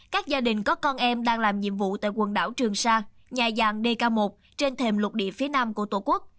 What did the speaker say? các gia đình có con em đang làm nhiệm vụ tại quần đảo trường sa nhà dạng dk một trên thềm lục địa phía nam của tổ quốc